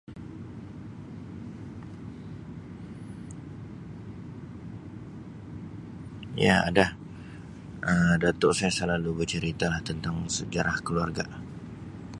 Ya ada Um datuk saya selalu bercerita tentang sejarah keluarga.